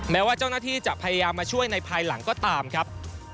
แม้ว่าเจ้าหน้าที่จะพยายามมาช่วยในภายหลังก็ตามครับ